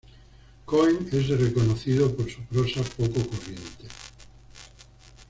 Cohen es reconocido por su prosa poco corriente.